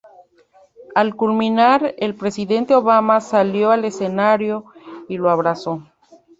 Al culminar, el presidente Obama salió al escenario y lo abrazó.